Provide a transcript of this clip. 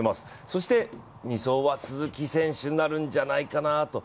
そして２走は鈴木選手になるんじゃないかなと。